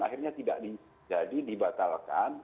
akhirnya tidak jadi dibatalkan